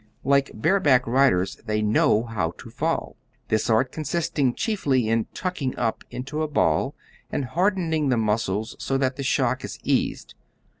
Like bareback riders, they know how to fall, this art consisting chiefly in "tucking up" into a ball and hardening the muscles so that the shock is eased.